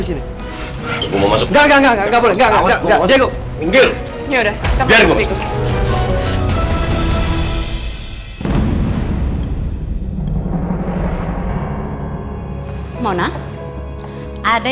bukan urusan lo